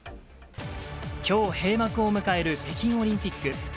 きょう閉幕を迎える北京オリンピック。